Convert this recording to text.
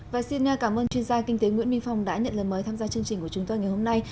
và xin cảm ơn chuyên gia kinh tế nguyễn minh phong đã nhận lời mời tham gia chương trình của chúng tôi ngày hôm nay